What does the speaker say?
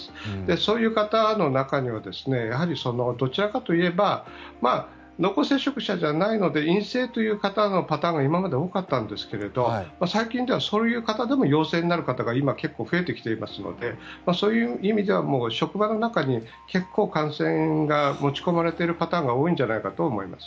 そういう方の中にはやはりどちらかといえば濃厚接触者じゃないので陰性という方のパターンが今まで多かったんですけれど最近ではそういう方でも陽性になる方が今、結構増えてきていますのでそういう意味では職場の中に結構、感染が持ち込まれているパターンが多いんじゃないかと思います。